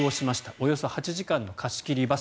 およそ８時間の貸し切りバス。